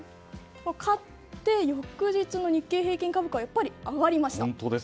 勝って翌日の日経平均株価はやっぱり上がりました。